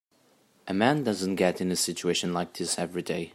A man doesn't get in a situation like this every day.